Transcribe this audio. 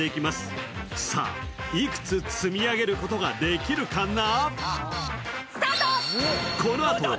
さあ、いくつ積み上げることができるかな。